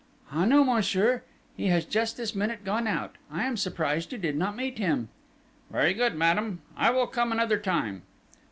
"Ah, no, monsieur! He has just this minute gone out! I am surprised you did not meet him!..." "Very good, madame. I will come another time!"